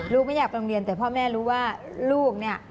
ไม่อยากไปโรงเรียนแต่พ่อแม่รู้ว่าลูกเนี่ย